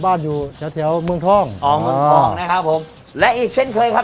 อยู่แถวแถวเมืองทองอ๋อเมืองทองนะครับผมและอีกเช่นเคยครับ